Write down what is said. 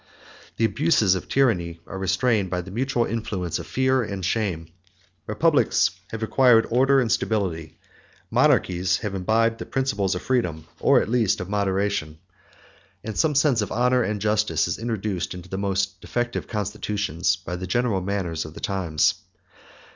The abuses of tyranny are restrained by the mutual influence of fear and shame; republics have acquired order and stability; monarchies have imbibed the principles of freedom, or, at least, of moderation; and some sense of honor and justice is introduced into the most defective constitutions by the general manners of the times.